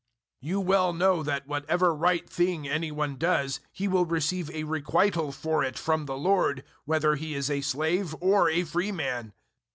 006:008 You well know that whatever right thing any one does, he will receive a requital for it from the Lord, whether he is a slave or a free man.